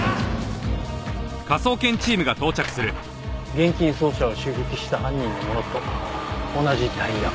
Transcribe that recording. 現金輸送車を襲撃した犯人のものと同じタイヤ痕。